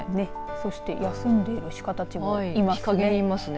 そして休んでいる鹿たちもいますね。